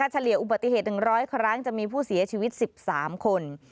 เฉลี่ยอุบัติเหตุ๑๐๐ครั้งจะมีผู้เสียชีวิต๑๓คน